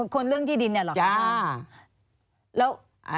คนเรื่องที่ดินเนี่ยเหรอคะ